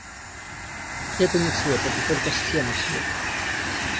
Это не цвет, это только схема цвета.